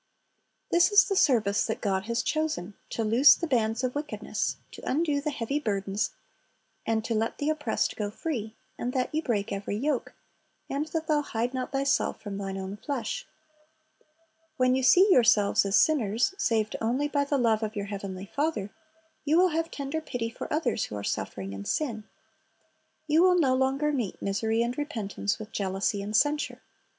"^ This is the service that God has chosen, — "to loose the bands of wickedness, to undo the heavy burdens, and to let the oppressed go free, and that ye break every yoke, and that thou hide not thyself from thine own flesh." When you see yourselves as sinners saved only by the love of your Heavenly Father, you will have tender pity for others who are suffering in sin. You will no longer meet misery and repentance with jealousy and censure.